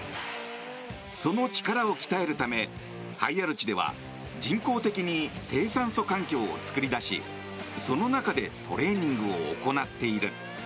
その力を鍛えるためハイアルチでは人工的に低酸素環境を作り出しその中でトレーニングを行うという。